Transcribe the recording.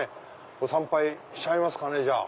ご参拝しちゃいますかねじゃあ。